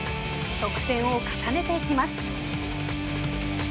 得点を重ねていきます。